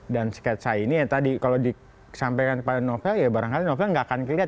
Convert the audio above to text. dan sketsa ini kalau disampaikan kepada novel ya barangkali novel tidak akan dilihat